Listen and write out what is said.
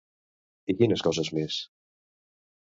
I quines coses més?